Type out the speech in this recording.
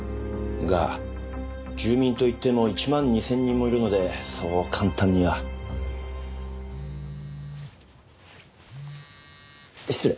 が住民といっても１万２０００人もいるのでそう簡単には。失礼。